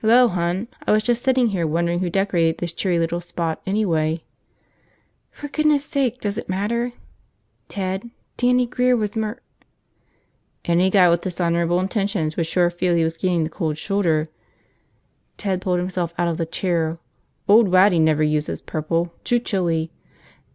"Hello, hon. I was just sitting here wondering who decorated this cheery little spot, anyway." "For goodness' sake, does it matter? Ted, Dannie Grear was mur ..." "Any guy with dishonorable intentions would sure feel he was getting the cold shoulder." Ted pulled himself out of the chair. "Old Waddy never uses purple – too chilly."